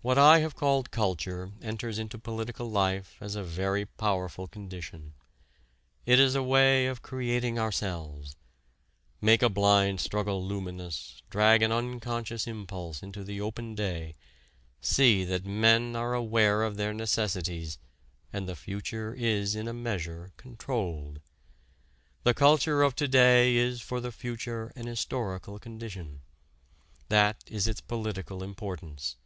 What I have called culture enters into political life as a very powerful condition. It is a way of creating ourselves. Make a blind struggle luminous, drag an unconscious impulse into the open day, see that men are aware of their necessities, and the future is in a measure controlled. The culture of to day is for the future an historical condition. That is its political importance.